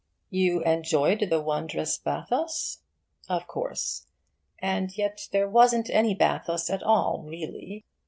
You enjoyed the wondrous bathos? Of course. And yet there wasn't any bathos at all, really.